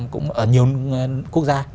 cũng ở nhiều quốc gia